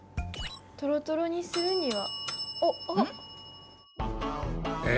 トロトロにするには。え？